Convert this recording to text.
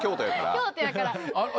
京都やから。